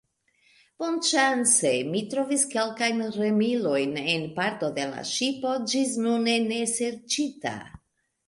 Bonŝance, mi trovis kelkajn remilojn en parto de la ŝipo ĝisnune neserĉita.